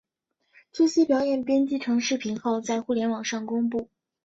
这些表演编辑成视频后在互联网上公布。